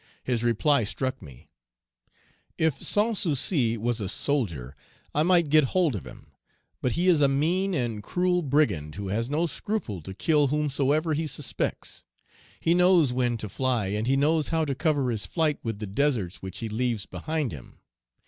His reply struck me: 'If Sans Souci was a soldier, I might get hold of him; but he is a mean and cruel brigand, who has no scruple Page 251 to kill whomsoever he suspects; he knows when to fly, and he knows how to cover his flight with the deserts which he leaves behind him.